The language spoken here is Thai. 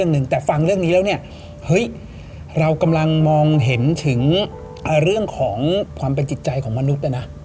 เฮ้ยเรากำลังมองเห็นถึงเรื่องของความเป็นจิตใจของมนุษย์นะ